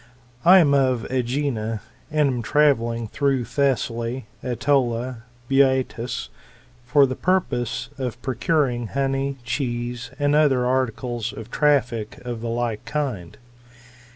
I am of ^ginn, and am travelling through Thessaly, ^tolia, and Boeotia, for the purpose of procuring honey,* cheese, and other articles of traffic of the like kind.